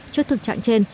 trước thực trạng trên